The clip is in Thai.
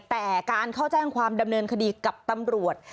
แต่การเข้าแจ้งความดำเนินคดีกับตำรวจ